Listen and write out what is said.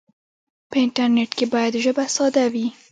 په انټرنیټ کې باید ژبه ساده وي.